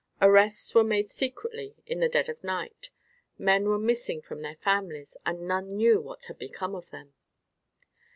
Arrests were made secretly in the dead of night. Men were missing from their families, and none knew what had become of them.